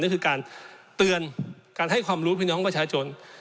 ก็คือการเตือนการให้ความรู้พี่น้องประชาชน